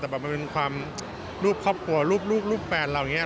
แต่มันเป็นความรูปครอบครัวรูปแฟนเราอย่างนี้